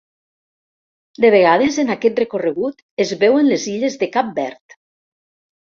De vegades, en aquest recorregut, es veuen les illes de Cap Verd.